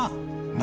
何？